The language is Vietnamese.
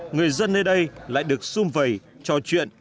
người dân nơi đây lại được xung vầy trò chuyện